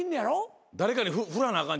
誰かに振らなあかんちゃうか？